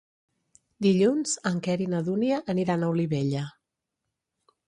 Dilluns en Quer i na Dúnia aniran a Olivella.